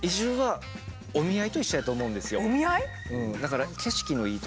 お見合い？